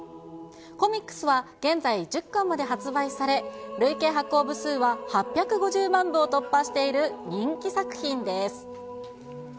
コミックスは現在、１０巻まで発売され、累計発行部数は８５０万部を突破している人気作品です。